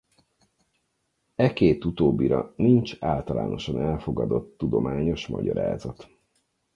E két utóbbira nincs általánosan elfogadott tudományos magyarázat.